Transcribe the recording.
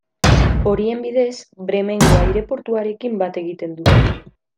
Horien bidez, Bremengo aireportuarekin bat egiten du.